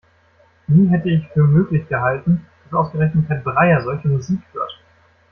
Nie hätte ich für möglich gehalten, dass ausgerechnet Herr Breyer solche Musik hört!